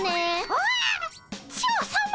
ああっチョウさま。